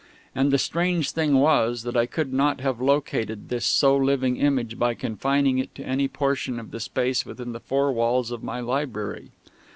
And the strange thing was, that I could not have located this so living image by confining it to any portion of the space within the four walls of my library.